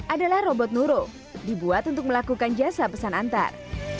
adalah robot nurul dibuat untuk melakukan jasa pesan antar